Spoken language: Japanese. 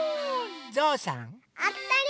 ぞうさん！あったり！